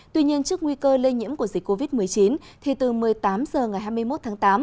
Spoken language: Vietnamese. tuy nhiên trước nguy cơ lây nhiễm của dịch covid một mươi chín thì từ một mươi tám h ngày hai mươi một tháng tám